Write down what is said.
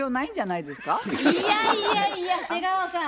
いやいやいや瀬川さん